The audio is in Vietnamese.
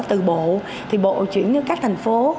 từ bộ thì bộ chuyển đến các thành phố